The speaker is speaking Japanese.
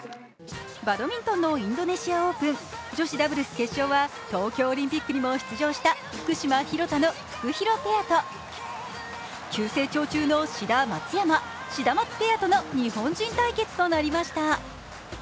バドミントンのインドネシアオープン女子ダブルス決勝は東京オリンピックにも出場した福島・廣田のフクヒロペアと急成長中の志田・松山、シダマツペアとの日本人対決となりました。